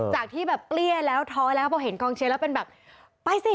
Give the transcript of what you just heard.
จากที่แบบเกลี้ยแล้วท้อแล้วพอเห็นกองเชียร์แล้วเป็นแบบไปสิ